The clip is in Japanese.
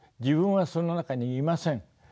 自分はその中にいません。